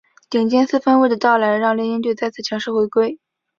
顶尖四分卫的到来让猎鹰队再次强势回归。